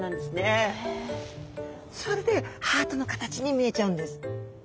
それでハートの形に見えちゃうんです。